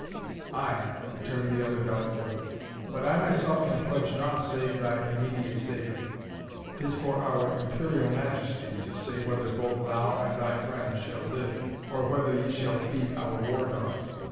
"Aye," returned the other doubtfully. "But I myself can pledge naught save thy immediate safety. 'Tis for our Imperial Majesty to say whether both thou and thy friend shall live, or whether ye shall feed our war dogs.